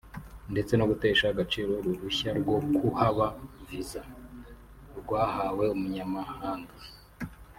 ndetse no gutesha agaciro uruhushya rwo kuhaba (Visa) rwahawe umunyamahanga